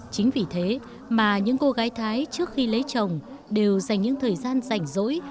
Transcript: chính vì thế mà những cô gái thái trước khi lấy chồng đều dành những thời gian rảnh rỗi